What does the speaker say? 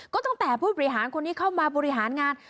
ก็ตั้งแต่ผู้บริหารคนนี้เข้ามาบริหารงาน